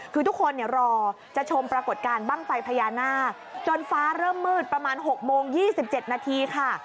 คือทุกคนรอจะชมปรากฏการณ์บ้างไฟพญานาคจนฟ้าเริ่มมืดประมาณ๖โมง๒๗นาทีค่ะ